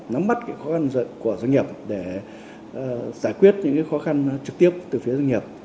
nắm mắt khó khăn của doanh nghiệp để giải quyết những khó khăn trực tiếp từ phía doanh nghiệp